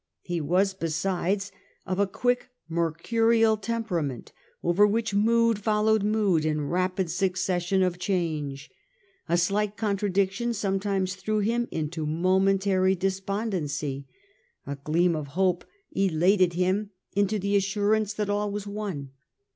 He was, besides, of a quick mercurial temperament, over which mood followed mood in rapid succession of change. A slight contradiction sometimes threw him into momentary despondency ; a gleam of hope elated him into the assurance that all was won.